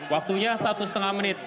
waktunya satu setengah menit